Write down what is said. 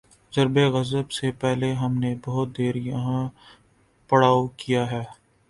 ضرب عضب سے پہلے ہم نے بہت دیر یہاں پڑاؤ کیا ہے۔